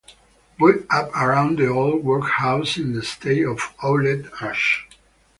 Built up around the old workhouse is the estate of Owlet Ash.